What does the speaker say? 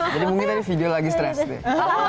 jadi mungkin tadi video lagi stress nih